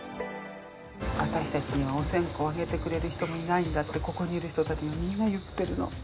私たちにはお線香をあげてくれる人もいないんだって、ここにいる人たち、みんな言ってるの。